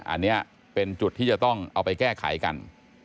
อันนี้เป็นจุดที่จะต้องเอาไปแก้ไขกัน